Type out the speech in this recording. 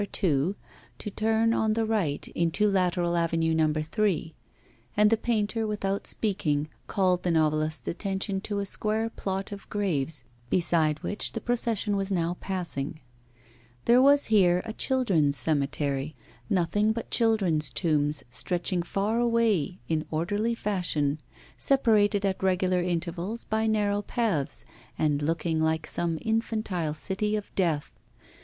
2 to turn, on the right, into lateral Avenue No. 3, and the painter, without speaking, called the novelist's attention to a square plot of graves, beside which the procession was now passing. There was here a children's cemetery, nothing but children's tombs, stretching far away in orderly fashion, separated at regular intervals by narrow paths, and looking like some infantile city of death.